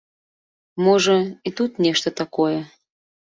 Можа, і тут нешта такое.